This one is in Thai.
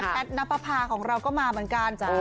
แป๊ดนับภาของเราก็มาเหมือนกันจ้ะ